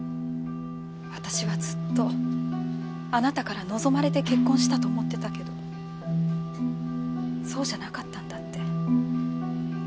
私はずっとあなたから望まれて結婚したと思ってたけどそうじゃなかったんだって。